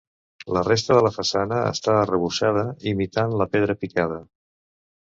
La resta de la façana està arrebossada imitant la pedra picada.